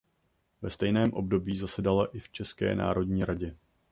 Ve stejném období zasedala i v České národní radě.